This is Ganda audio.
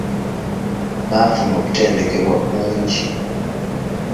Baafuna okutendekebwa kungi.